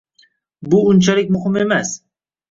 bu unchalik muhim emas.